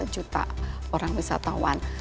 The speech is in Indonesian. juta orang wisatawan